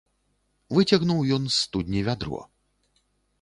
Выцягнуў ён з студні вядро.